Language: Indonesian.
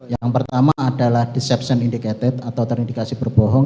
yang pertama adalah deception indicated atau terindikasi berbohong